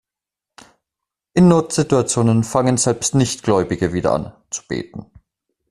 In Notsituationen fangen selbst Nichtgläubige wieder an, zu beten.